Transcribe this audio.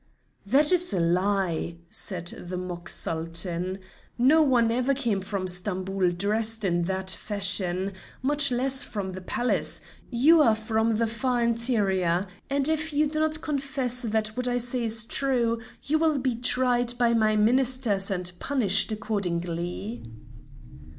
"That's a lie," said the mock Sultan, "no one ever came from Stamboul dressed in that fashion, much less from the Palace; you are from the far interior, and if you do not confess that what I say is true, you will be tried by my Ministers, and punished accordingly."